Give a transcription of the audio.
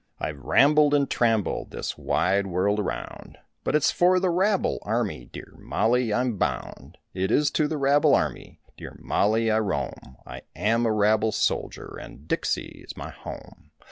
I've rambled and trambled this wide world around, But it's for the rabble army, dear Mollie, I'm bound, It is to the rabble army, dear Mollie, I roam, I am a rabble soldier and Dixie is my home.